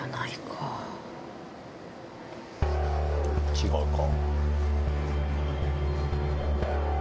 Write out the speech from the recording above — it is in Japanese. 違うか。